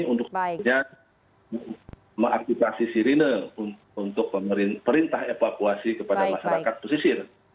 untuk mengaktifasi sirine untuk perintah evakuasi kepada masyarakat pesisir